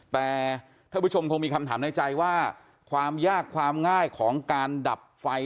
แต่ท่านผู้ชมคงมีคำถามในใจว่าความยากความง่ายของการดับไฟ